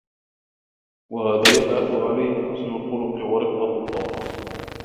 وَهَذَا يَبْعَثُ عَلَيْهِ حُسْنُ الْخُلُقِ وَرِقَّةُ الطَّبْعِ